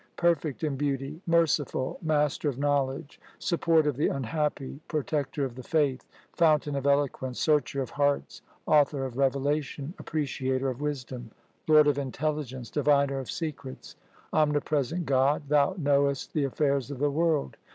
Perfect in beauty, merciful, Master of knowledge, Support of the unhappy, Protector of the Faith, Fountain of eloquence, Searcher of hearts, Author of revelation, Appreciator of wisdom, Lord of intelligence, Diviner of secrets, Omnipresent God, Thou knowest the affairs of the world.